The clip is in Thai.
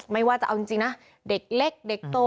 ไม่ว่าจะเอาจริงนะเด็กเล็กเด็กโต